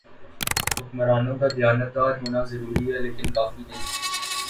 حکمرانوں کا دیانتدار ہونا ضروری ہے لیکن کافی نہیں۔